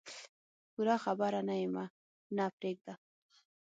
پوره خبره نیمه نه پرېږده.